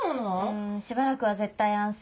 うんしばらくは絶対安静。